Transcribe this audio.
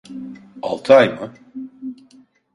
Altı ay mı?